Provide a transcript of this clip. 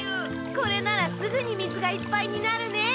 これならすぐに水がいっぱいになるね。